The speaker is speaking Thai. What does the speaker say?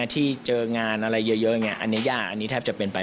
ที่เจองานอะไรเยอะอย่างนี้